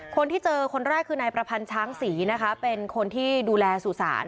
คนที่เจอคนแรกคือนายประพันธ์ช้างศรีนะคะเป็นคนที่ดูแลสุสาน